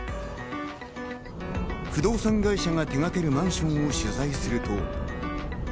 不動産会社が手がけるマンションを取材すると。